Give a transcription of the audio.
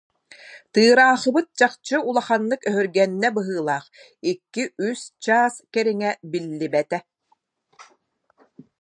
Тыыраахыбыт чахчы улаханнык өһүргэннэ быһыылаах, икки-үс чаас кэриҥэ биллибэтэ